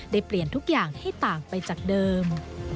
เปลี่ยนทุกอย่างให้ต่างไปจากเดิม